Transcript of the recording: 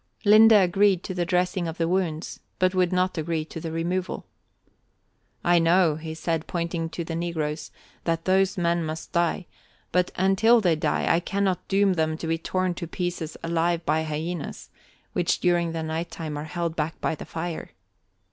Linde agreed to the dressing of the wounds, but would not agree to the removal. "I know," he said, pointing at the negroes, "that those men must die, but until they die, I cannot doom them to be torn to pieces alive by hyenas, which during the night time are held back by the fire."